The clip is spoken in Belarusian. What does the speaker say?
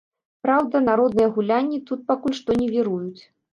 Праўда, народныя гулянні тут пакуль што не віруюць.